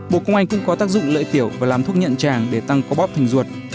bộ công anh cũng có tác dụng lợi tiểu và làm thuốc nhận tràng để tăng có bóp thành ruột